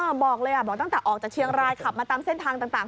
บอกเลยอ่ะบอกตั้งแต่ออกจากเชียงรายขับมาตามเส้นทางต่าง